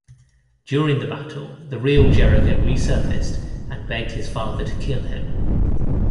During the battle, the real Jericho resurfaced and begged his father to kill him.